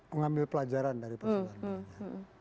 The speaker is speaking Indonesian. mengambil pelajaran dari persoalan beliau